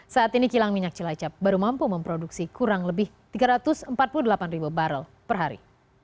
saat ini kilang minyak cilacap baru mampu memproduksi kurang lebih tiga ratus empat puluh delapan ribu barrel per hari